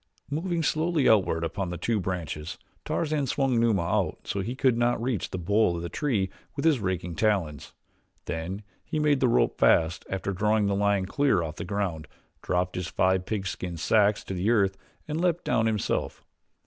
Moving slowly outward upon the two branches Tarzan swung Numa out so that he could not reach the bole of the tree with his raking talons, then he made the rope fast after drawing the lion clear of the ground, dropped his five pigskin sacks to earth and leaped down himself.